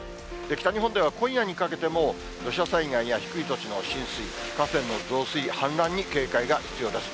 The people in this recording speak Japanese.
北日本では今夜にかけても、土砂災害や低い土地の浸水、河川の増水、氾濫に警戒が必要です。